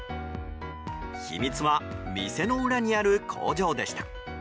秘密は店の裏にある工場でした。